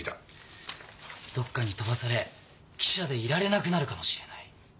どっかに飛ばされ記者でいられなくなるかもしれない。